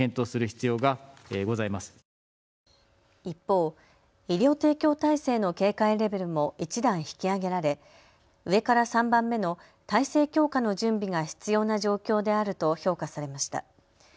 一方、医療提供体制の警戒レベルも１段引き上げられ上から３番目の体制強化の準備が必要な状況であると評価されました。